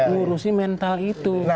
menurusi mental itu